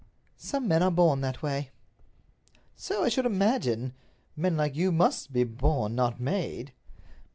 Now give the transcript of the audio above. "Some men are born that way." "So I should imagine. Men like you must be born, not made."